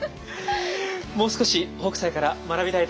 もう少し北斎から学びたいと思います。